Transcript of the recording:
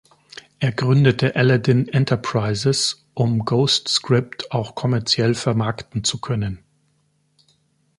Er gründete Aladdin Enterprises, um Ghostscript auch kommerziell vermarkten zu können.